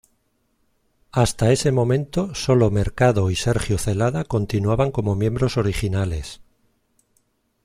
Hasta ese momento sólo Mercado y Sergio Celada continuaban como miembros originales.